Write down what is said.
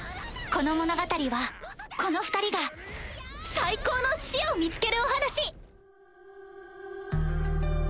この物語はこの二人が最高の死を見つけるお話！